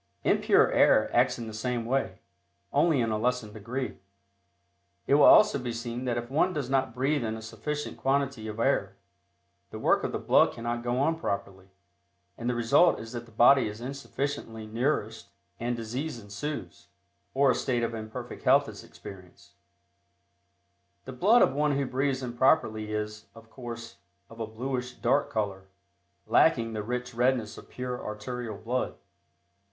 Impure air acts in the same way, only in a lessened degree. It will also be seen that if one does not breathe in a sufficient quantity of air, the work of the blood cannot go on properly, and the result is that the body is insufficiently nourished and disease ensues, or a state of imperfect health is experienced. The blood of one who breathes improperly is, of course, of a bluish, dark color, lacking the rich redness of pure arterial blood.